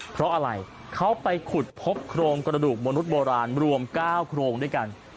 เพราะอะไรเขาไปขุดพบโครงกระดูกมนุษย์โบราณรวม๙โครงด้วยกัน